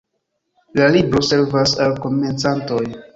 La libro servas al komencantoj.